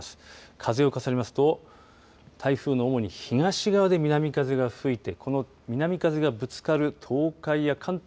風を重ねますと台風の主に東側で南風が吹いてこの南風がぶつかる東海や関東